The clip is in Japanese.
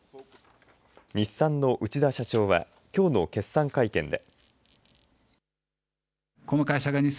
日産の内田社長はきょうの決算会見で。